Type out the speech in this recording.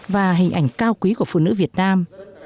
và hình ảnh cao quý của phụ nữ việt nam